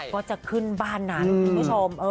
ก็จะขึ้นบ้านนั้นคุณผู้ชม